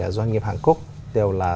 doanh nghiệp hàn quốc đều là